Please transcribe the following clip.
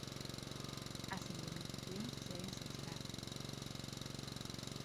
As indemnizacións seguen sen chegar